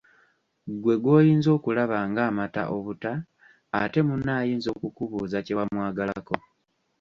Ggwe gw'oyinza okulaba ng'amata obuta ate munno ayinza okukubuuza kye wamwagalako.